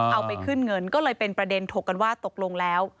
เอาไปขึ้นเงินก็เลยเป็นประเด็นถกกันว่าตกลงแล้ว